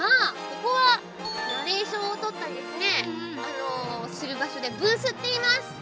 ここはナレーションをとったりですねする場所でブースっていいます。